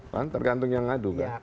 kan tergantung yang adu kan